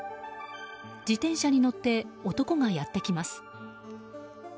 自転車に乗って男がやってきます。